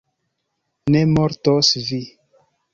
Ne mortos vi.